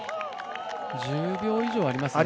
１０秒以上ありますね。